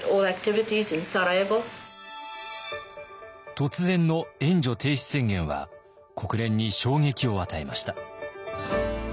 突然の援助停止宣言は国連に衝撃を与えました。